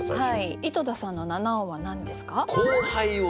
井戸田さんの七音は何ですか？